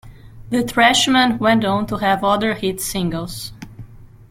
The Trashmen went on to have other hit singles.